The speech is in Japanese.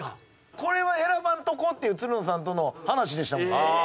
これは選ばんとこうっていうつるのさんとの話でしたもん。